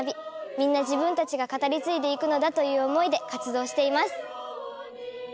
みんな自分たちが語り継いでいくのだという思いで活動しています。